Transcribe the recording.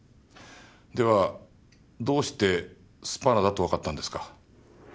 ではどうしてスパナだとわかったんですか？